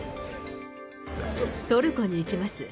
トルコに行きます。